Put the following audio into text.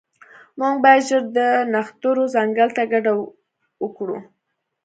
موږ باید ژر د نښترو ځنګل ته کډه وکړو